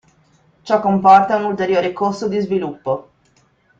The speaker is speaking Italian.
Ciò comporta un ulteriore costo di sviluppo.